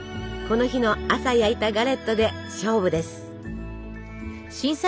この日の朝焼いたガレットで勝負です。